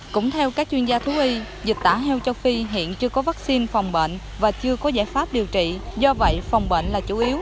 cũng theo các chuyên gia thú y dịch tả heo châu phi hiện chưa có vaccine phòng bệnh và chưa có giải pháp điều trị do vậy phòng bệnh là chủ yếu